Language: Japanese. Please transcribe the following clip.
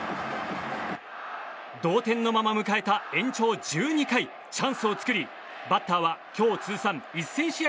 同点のまま迎えた延長１２回チャンスを作り、バッターは今日通算１０００試合